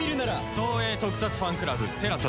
東映特撮ファンクラブＴＥＬＡＳＡで。